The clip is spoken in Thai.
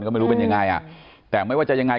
ก็ไม่รู้เป็นยังไงอ่ะแต่ไม่ว่าจะยังไง